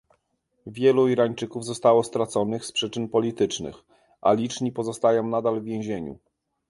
Wielu Irańczyków zostało straconych z przyczyn politycznych, a liczni pozostają nadal w więzieniu